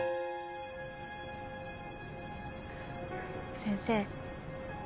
先生